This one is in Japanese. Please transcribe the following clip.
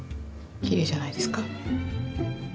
きれいじゃないですか？